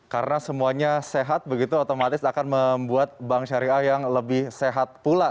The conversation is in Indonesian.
karena semuanya sehat begitu otomatis akan membuat bank syariah yang lebih sehat pula